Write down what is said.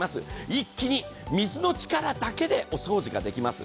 一気に水の力だけでお掃除ができます。